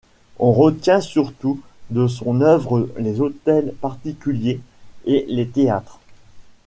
On retient surtout de son œuvre les hôtels particuliers et les théâtres.